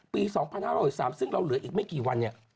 ปี๒๕๖๓ซึ่งเราเหลืออีกไม่กี่วันเนี่ย